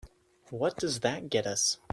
What does that get us?